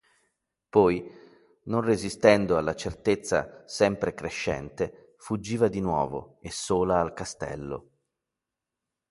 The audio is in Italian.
Poi, non resistendo alla certezza sempre crescente, fuggiva di nuovo, e sola al castello.